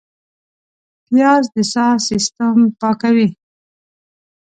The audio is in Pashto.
پیاز د ساه سیستم پاکوي